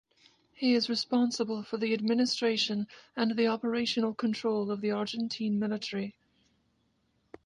He is responsible for the administration and the operational control of the Argentine military.